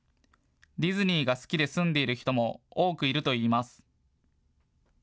ディズニーが好きで住んでいる人も多くいるといいます。